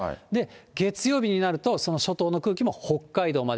月曜日になると、初冬の空気も北海道まで。